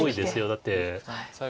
だって。